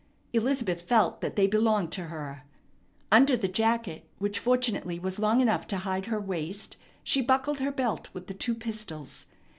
Elizabeth felt that they belonged to her. Under the jacket, which fortunately was long enough to hide her waist, she buckled her belt with the two pistols.